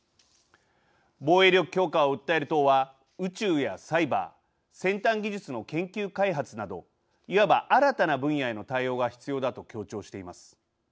防衛力強化を訴える党は宇宙やサイバー先端技術の研究開発などいわば新たな分野への対応が必要だと強調しています。